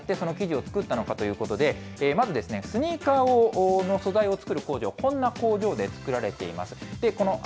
どうやってその生地を作ったのかということで、まずスニーカーの素材を作る工場、こんな工場で作られています。